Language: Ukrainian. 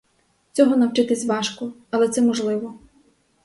Цього навчитись важко, але це можливо.